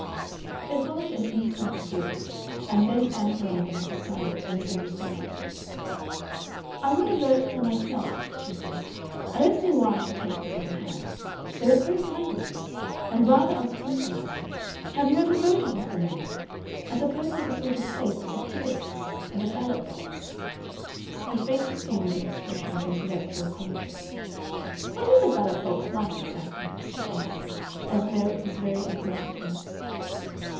There followed an instant's pause, and then Ann Veronica had decided to misunderstand. "I want a vote for myself," she said. "I don't see why I should take it second hand. Though it's very kind of you. And rather unscrupulous. Have you ever voted, Mr. Manning? I suppose there's a sort of place like a ticket office. And a ballot box " Her face assumed an expression of intellectual conflict. "What is a ballot box like, exactly?" she asked, as though it was very important to her.